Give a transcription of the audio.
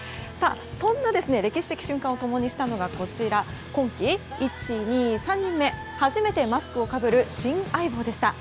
そんな歴史的瞬間を共にしたのが今季１、２、３人目初めてマスクをかぶる新相棒でした。